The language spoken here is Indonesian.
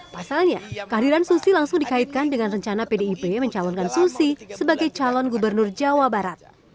pasalnya kehadiran susi langsung dikaitkan dengan rencana pdip mencalonkan susi sebagai calon gubernur jawa barat